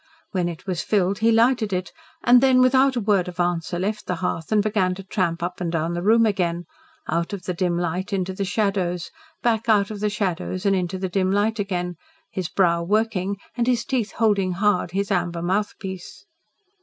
When it was filled he lighted it, and then without a word of answer left the hearth and began to tramp up and down the room again out of the dim light into the shadows, back out of the shadows and into the dim light again, his brow working and his teeth holding hard his amber mouthpiece.